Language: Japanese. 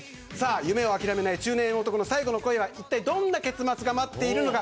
夢を諦めない中年男の最後の恋はいったいどんな結末が待っているのか。